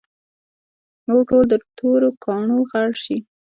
نور ټول د تورو کاڼو غر شي.